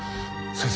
先生。